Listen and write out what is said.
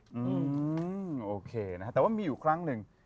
อืมโอเคนะฮะแต่ว่ามีอยู่ครั้งหนึ่ง